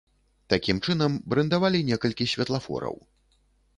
Такім чынам брэндавалі некалькі святлафораў.